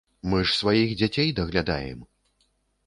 Мы ж сваіх дзяцей даглядаем!